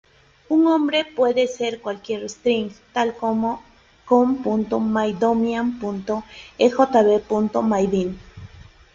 Un nombre puede ser cualquier string tal como "com.mydomain.ejb. MyBean".